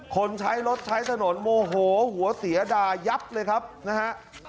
คนใช้รถใช้ถนนโมโหหัวเสียด่ายับเลยครับนะฮะ